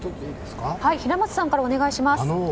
平松さんからお願いします。